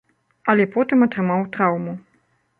Але потым атрымаў траўму.